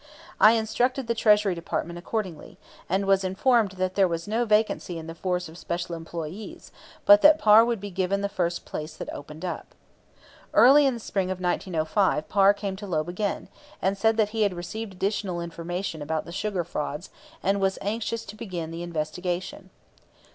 I instructed the Treasury Department accordingly, and was informed that there was no vacancy in the force of special employees, but that Parr would be given the first place that opened up. Early in the spring of 1905 Parr came to Loeb again, and said that he had received additional information about the sugar frauds, and was anxious to begin the investigation.